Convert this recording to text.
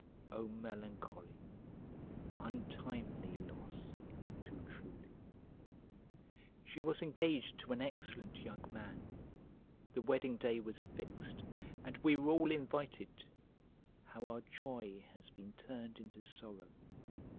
0 melancholy, untimely, loss, too truly! She was engaged to an excellent young man; the wedding day was fixed, and we were all invited. How our joy has been turned into sorrow!